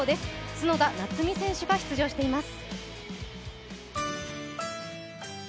角田夏実選手が出場しています。